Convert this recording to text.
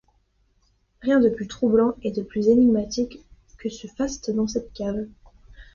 Rien de plus troublant et de plus énigmatique que ce faste dans cette cave.